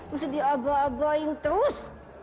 mesti dioboh obohin terus